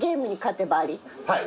はい。